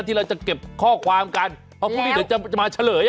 ที่เราจะเก็บข้อความกันเพราะพรุ่งนี้เดี๋ยวจะมาเฉลย